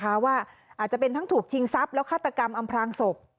อาจจะเป็นทั้งถูกชิงทรัพย์แล้วฆาตกรรมอำพลางศพ